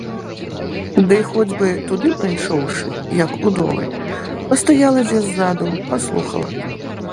Ды хоць бы, туды прыйшоўшы, як удовы, пастаяла дзе ззаду, паслухала.